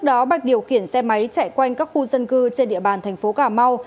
điều khiển xe máy chạy quanh các khu dân cư trên địa bàn thành phố cà mau